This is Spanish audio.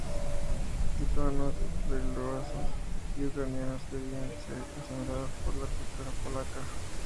Lituanos, bielorrusos y ucranianos debían ser asimilados a la cultura polaca.